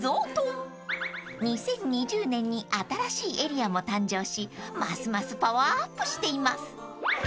［２０２０年に新しいエリアも誕生しますますパワーアップしています］